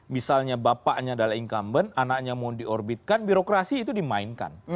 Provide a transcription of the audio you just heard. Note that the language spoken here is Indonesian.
misalnya bapaknya adalah incumbent anaknya mau diorbitkan birokrasi itu dimainkan